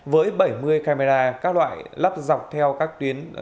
với bảy mươi camera các loại lắp dọc theo các tuyến